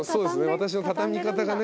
私の畳み方がね。